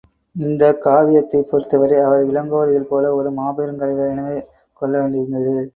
இந்தக் காவியத்தைப் பொருத்தவரை அவர் இளங்கோவடிகள் போல ஒரு மாபெருங் கவிஞர் எனவே கொள்ள வேண்டி இருக்கிறது.